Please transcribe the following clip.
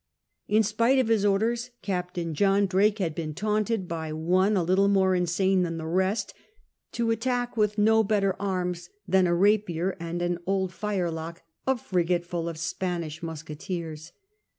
In spite of his orders. Captain John Drake had been taunted by one a little more insane than the rest to attack with no better arms than a rapier and an old firelock a frigate full of Spanish musketeers.